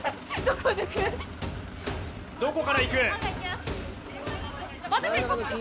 どこから行く？